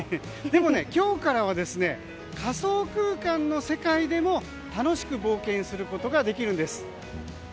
でも今日からは仮想空間の世界でも楽しく冒険することができるんです。